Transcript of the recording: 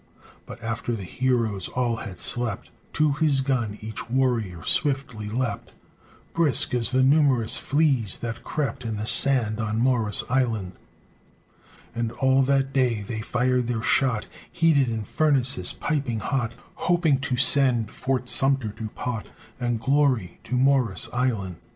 V But after the heroes all had slept, To his gun each warrior swiftly leapt, Brisk, as the numerous fleas that crept In the sand on Morris' Island; And all that day they fired their shot, Heated in furnaces, piping hot, Hoping to send Fort Sumter to pot And glory to Morris' Island.